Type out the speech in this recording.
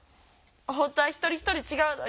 本当は一人一人違うのに。